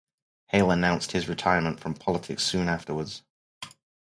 Hale announced his retirement from politics soon afterwards.